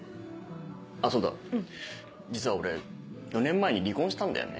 あそうだ実は俺４年前に離婚したんだよね。